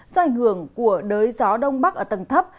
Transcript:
do ảnh hưởng của đới gió đông bắc ở tầng thấp